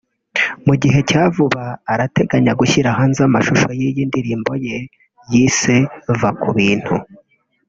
Mu gihe cya vuba arateganya gushyira hanze amashusho y’iyi ndirimbo ye yise “Va Ku Bintu”